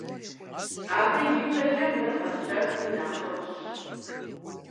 Абы и пӀэкӀэ мыр къэщэхуи нэхъыфӏщ.